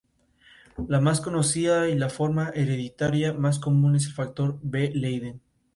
Trabajó como productora agropecuaria en zonas rurales al noroeste de su provincia.